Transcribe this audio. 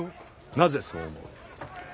なぜそう思う？